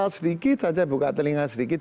sedikit saja buka telinga sedikit